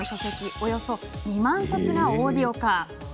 およそ２万冊がオーディオ化。